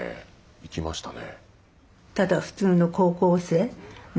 行きましたね。